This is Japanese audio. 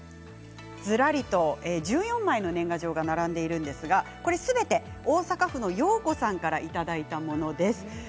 ずらりと１４枚の年賀状が並んでいるんですが、すべて大阪府のようこさんからいただいたものです。